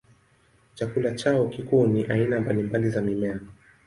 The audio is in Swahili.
Chakula chao kikuu ni aina mbalimbali za mimea.